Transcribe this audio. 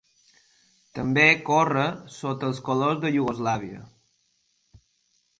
També córrer sota els colors de Iugoslàvia.